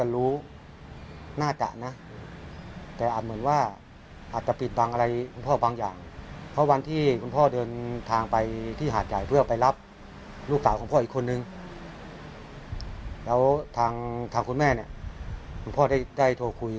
และตอนนี้พ่อได้โทรคุย